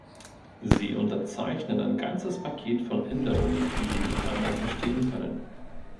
Sie unterzeichnen ein ganzes Paket von Änderungen, die sie nicht einmal verstehen können.